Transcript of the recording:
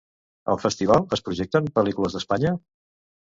Al festival es projecten pel·lícules d'Espanya?